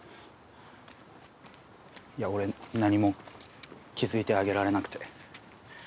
いや俺何も気付いてあげられなくて。